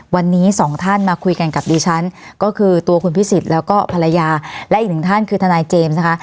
วันนี้สองท่านมาคุยกันกับดิฉันก็คือตัวคุณพิสิทธิ์แล้วก็ภรรยาและอีกหนึ่งท่านคือทนายเจมส์นะคะ